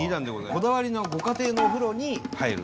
こだわりのご家庭のお風呂に入る。